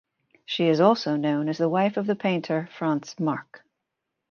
She is also known as the wife of the painter Franz Marc.